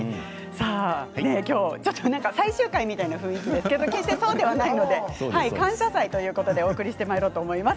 ちょっと最終回みたいな雰囲気ですけど決してそうではないので感謝祭ということでお送りしてまいろうと思います。